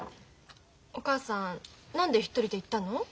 お母さん何で一人で行ったの？